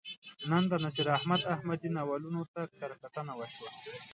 نن د نصیر احمد احمدي ناولونو ته کرهکتنه وشوه.